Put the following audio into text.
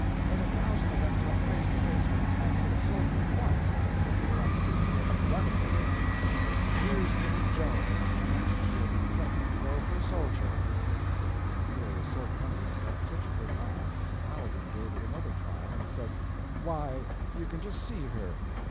Let a thousand of them come face to face with a handful of soldiers once, if you want to see what running is like. Here's little Joan—next she'll be threatening to go for a soldier!" The idea was so funny, and got such a good laugh, that the Paladin gave it another trial, and said: "Why you can just see her!